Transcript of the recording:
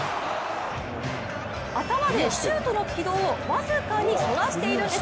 頭でシュートの軌道を僅かにそらしているんです。